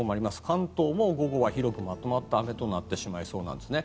関東も午後は広くまとまった雨となってしまいそうです。